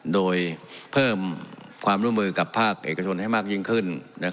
โดยเพิ่มความร่วมมือกับภาคเอกชนให้มากยิ่งขึ้น